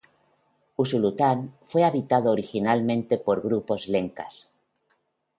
Usulután fue habitado originalmente por grupos lencas.